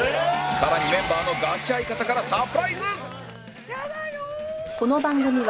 さらにメンバーのガチ相方からサプライズ！